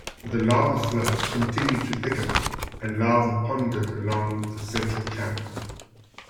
The lava flows continued to thicken, and lava ponded along the central channel.